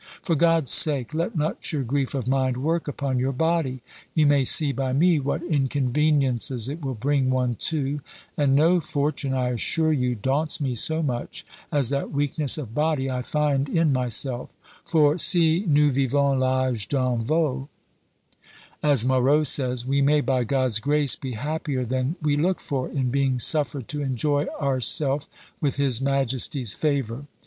For God's sake, let not your grief of mind work upon your body. You may see by me what inconveniences it will bring one to; and no fortune, I assure you, daunts me so much as that weakness of body I find in myself; for si nous vivons l'age d'un veau, as Marot says, we may, by God's grace, be happier than we look for, in being suffered to enjoy ourself with his majesty's favour.